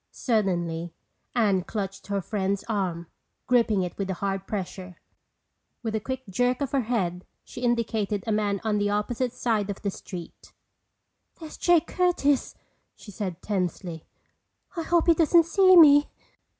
Suddenly Anne clutched her friend's arm, gripping it with a hard pressure. With a quick jerk of her head she indicated a man on the opposite side of the street. "There's Jake Curtis!" she said tensely. "I hope he doesn't see me!"